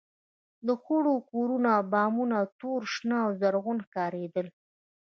د خړو کورونو بامونه تور، شنه او زرغونه ښکارېدل.